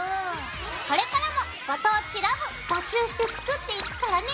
これからも「ご当地ＬＯＶＥ」募集して作っていくからね！